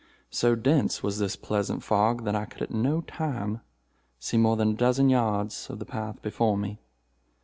So dense was this pleasant fog that I could at no time see more than a dozen yards of the path before me.